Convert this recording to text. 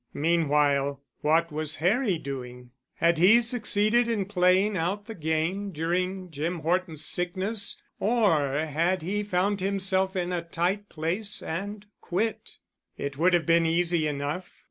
Meanwhile what was Harry doing? Had he succeeded in playing out the game during Jim Horton's sickness, or had he found himself in a tight place and quit? It would have been easy enough.